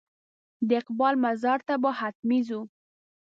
د اقبال مزار ته به حتمي ځو.